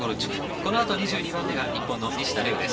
このあと２２番目が日本の西田玲雄です。